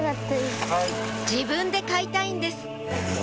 自分で買いたいんです